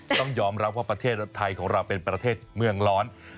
ต้องยอมรับว่าประเทศไทยของเราเป็นประเทศเมืองร้อน